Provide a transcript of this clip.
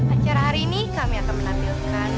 acara hari ini kami akan menampilkan